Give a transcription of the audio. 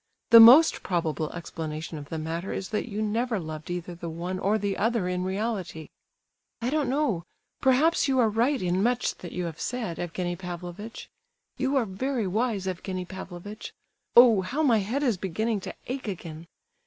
The most probable explanation of the matter is that you never loved either the one or the other in reality." "I don't know—perhaps you are right in much that you have said, Evgenie Pavlovitch. You are very wise, Evgenie Pavlovitch—oh! how my head is beginning to ache again!